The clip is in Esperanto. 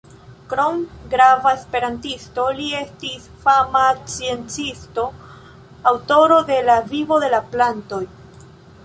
Krom grava esperantisto, li estis fama sciencisto, aŭtoro de "La Vivo de la Plantoj".